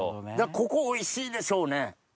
ここおいしいでしょうね。